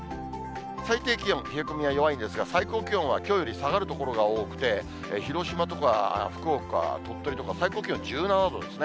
最低気温、冷え込みは弱いんですが、最高気温はきょうより下がる所が多くて、広島とか福岡、鳥取とか、最高気温１７度ですね。